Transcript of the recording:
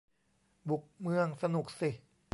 บุกเมือง สนุกสิ